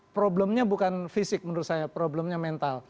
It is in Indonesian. problemnya bukan fisik menurut saya problemnya mental